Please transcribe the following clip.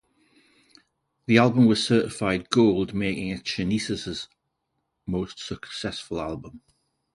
The album was certified Gold making it Shanice's most successful album.